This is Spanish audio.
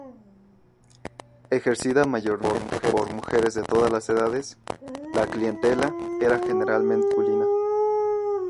Ejercida mayormente por mujeres de todas las edades, la clientela era generalmente masculina.